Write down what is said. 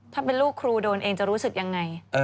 ถ้าเป็นลูกครูโดนเองจะรู้สึกยังไง